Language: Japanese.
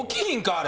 あれ。